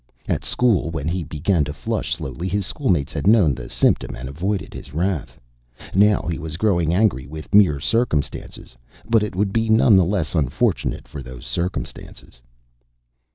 At school, when he began to flush slowly his schoolmates had known the symptom and avoided his wrath. Now he was growing angry with mere circumstances, but it would be none the less unfortunate for those circumstances.